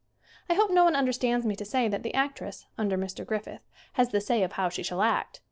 I hope no one understands me to say that the actress, under Mr. Griffith, has the say of how she shall act.